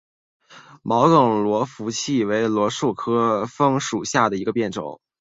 毛梗罗浮槭为槭树科枫属下的一个变种。